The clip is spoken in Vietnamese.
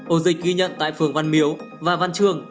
ổ dịch ghi nhận tại phường văn miếu và văn trường